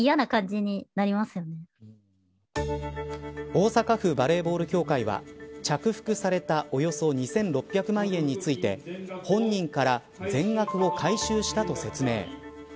大阪府バレーボール協会は着服されたおよそ２６００万円について本人から全額を回収したと説明。